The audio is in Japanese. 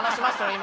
今。